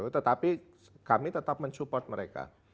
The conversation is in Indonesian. tetapi kami tetap mensupport mereka